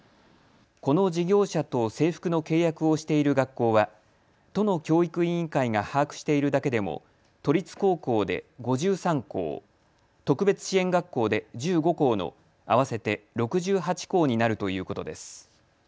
この事業者と制服の契約をしている学校は都の教育委員会が把握しているだけでも都立高校で５３校、特別支援学校で１５校の合わせて６８校になるということです。